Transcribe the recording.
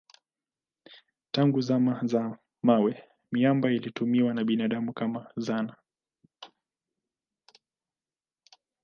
Tangu zama za mawe miamba ilitumiwa na binadamu kama zana.